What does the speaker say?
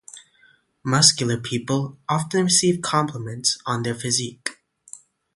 Muscular people often receive compliments on their physique.